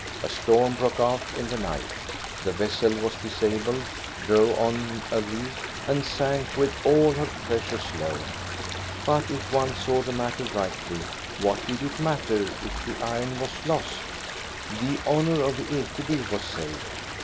A .storm broke out in the night, the vessel was disabled, drove on a reef, and sank with all her precious load. But if one saw the matter rightly, what did it matter if the (iron was lost .' The honor of Ekeby was saved.